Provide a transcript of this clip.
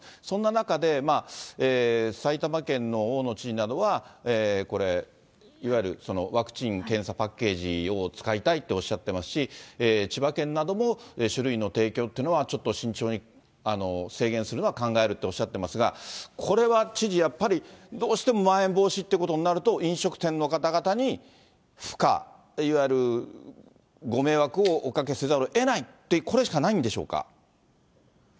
そんな中で、埼玉県の大野知事などは、これ、いわゆるそのワクチン・検査パッケージを使いたいっておっしゃってますし、千葉県なども酒類の提供っていうのは、ちょっと慎重に、制限するのは考えるとおっしゃっていますが、これは知事、やっぱり、どうしてもまん延防止ってことになると、飲食店の方々に負荷、いわゆるご迷惑をおかけせざるをえないって、そうですね。